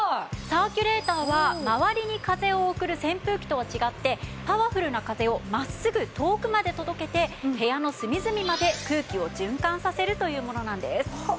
サーキュレーターは周りに風を送る扇風機とは違ってパワフルな風を真っすぐ遠くまで届けて部屋の隅々まで空気を循環させるというものなんです。